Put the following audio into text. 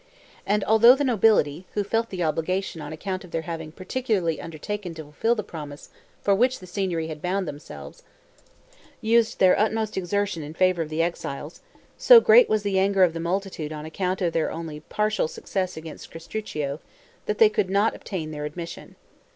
And although the nobility, who felt the obligation on account of their having particularly undertaken to fulfill the promise for which the Signory had bound themselves, used their utmost exertion in favor of the exiles, so great was the anger of the multitude on account of their only partial success against Castruccio, that they could not obtain their admission.